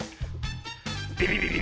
ビビビビ！